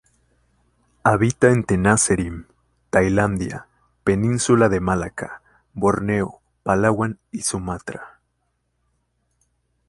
Habita en Tenasserim, Tailandia, Península de Malaca, Borneo, Palawan y Sumatra.